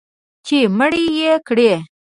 چې مړ یې کړي